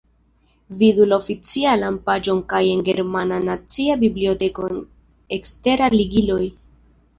Vidu la oficialan paĝon kaj en Germana Nacia Biblioteko en eksteraj ligiloj.